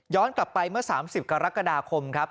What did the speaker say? กลับไปเมื่อ๓๐กรกฎาคมครับ